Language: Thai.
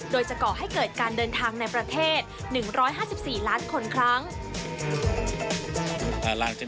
โดยจะก่อให้เกิดการเดินทางในประเทศ๑๕๔ล้านคนครั้ง